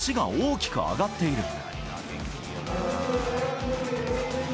足が大きく上がっている。